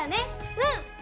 うん！